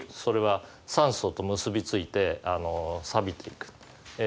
それは酸素と結び付いてさびていく。